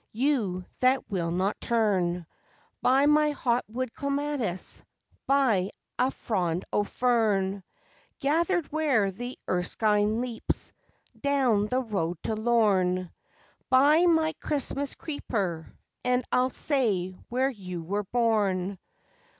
You that will not turn, Buy my hot wood clematis, Buy a frond o' fern Gathered where the Erskine leaps Down the road to Lorne Buy my Christmas creeper And I'll say where you were born!